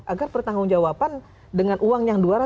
agar bertanggung jawaban dengan uang yang dua ratus enam puluh miliar